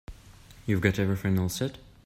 You've got everything all set?